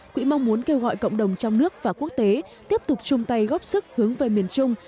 quỹ mong muốn kêu gọi cộng đồng trong nước và quốc tế tiếp tục chung tay góp sức hướng về miền trung